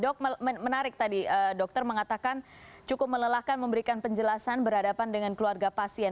dok menarik tadi dokter mengatakan cukup melelahkan memberikan penjelasan berhadapan dengan keluarga pasien